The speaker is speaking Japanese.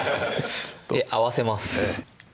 合わせますええ